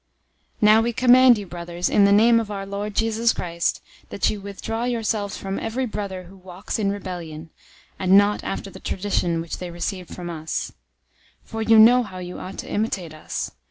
003:006 Now we command you, brothers, in the name of our Lord Jesus Christ, that you withdraw yourselves from every brother who walks in rebellion, and not after the tradition which they received from us. 003:007 For you know how you ought to imitate us.